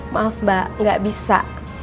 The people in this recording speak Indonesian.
maaf mbak gak bisa